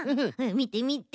みてみて。